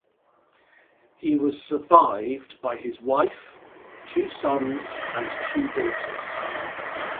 He was survived by his wife, two sons, and two daughters.